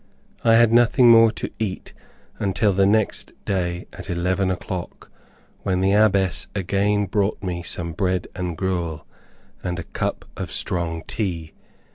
I had nothing more to eat until the next day at eleven o'clock, when the Abbess again brought me some bread and gruel, and a cup of strong tea.